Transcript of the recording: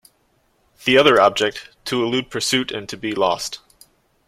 The other object, to elude pursuit and to be lost.